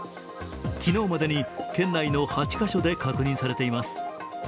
昨日までに県内の８か所で確認されています。